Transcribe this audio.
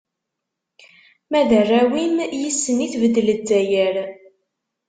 Ma d arraw-im, yis-sen i tbedd Lezzayer.